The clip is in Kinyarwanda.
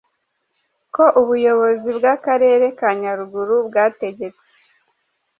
ko ubuyobozi bw'akarere ka Nyaruguru bwategetse